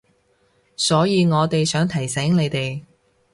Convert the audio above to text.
所以我哋想提醒你哋